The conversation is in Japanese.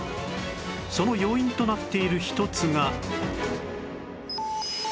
その要因となっている一つが